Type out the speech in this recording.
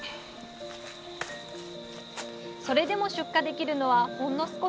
それでも出荷できるのはほんの少し。